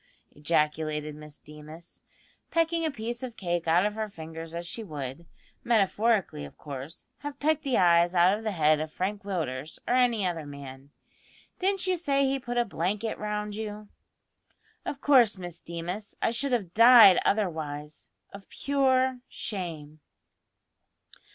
ejaculated Miss Deemas, pecking a piece of cake out of her fingers as she would, metaphorically of course, have pecked the eyes out of the head of Frank Willders, or any other man. "Didn't you say he put a blanket round you?" "Of course, Miss Deemas; I should have died otherwise of pure shame."